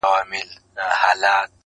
زوی ته په زانګو کي د فرنګ خبري نه کوو-